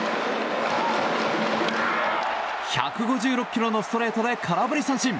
１５６キロのストレートで空振り三振。